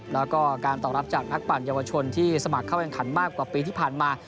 แล้วก็การตอบรับจากนักปั่นเยาวชนที่สมัครเข้าแข่งขันมากกว่าปีที่ผ่านมา